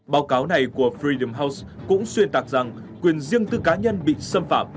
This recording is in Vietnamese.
báo cáo này của freem house cũng xuyên tạc rằng quyền riêng tư cá nhân bị xâm phạm